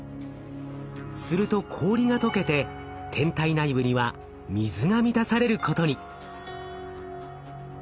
すると氷がとけて天体内部には水が満たされることに。